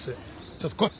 ちょっと来い！